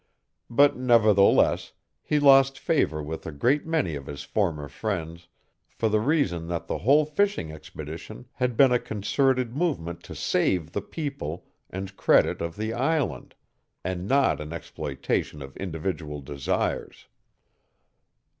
But, nevertheless, he lost favor with a great many of his former friends, for the reason that the whole fishing expedition had been a concerted movement to save the people and credit of the island, and not an exploitation of individual desires.